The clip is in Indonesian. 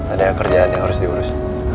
ada kerjaan yang harus diurus